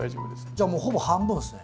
じゃあもうほぼ半分ですね。